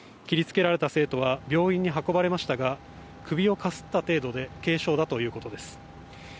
切りつけられた生徒は病院に運ばれましたが首をかすった程度で軽傷だということです。